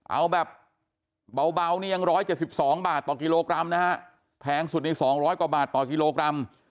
เอาแบบเบาเบานี่ยังร้อยเจ็ดสิบสองบาทต่อกิโลกรัมนะฮะแพงสุดในสองร้อยกว่าบาทต่อกิโลกรัม